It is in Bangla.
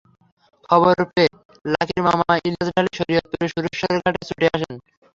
খবর পেয়ে লাকীর মামা ইলিয়াস ঢালী শরীয়তপুরের সুরেশ্বর ঘাটে ছুটে আসেন।